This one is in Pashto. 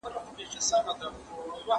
¬ د سرو پېزوانه گړنگو زوړ کړې.